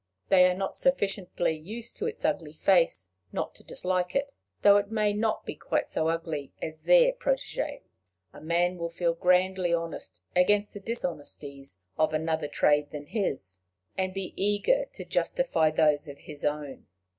They are not sufficiently used to its ugly face not to dislike it, though it may not be quite so ugly as their protege. A man will feel grandly honest against the dishonesties of another trade than his, and be eager to justify those of his own.